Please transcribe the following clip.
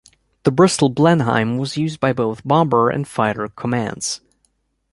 The Bristol Blenheim was used by both Bomber and Fighter Commands.